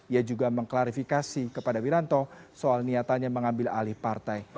ia juga mengklarifikasi kepada wiranto soal niatannya mengambil alih partai